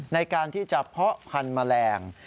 ในการที่จะเพาะพันธุ์แมลง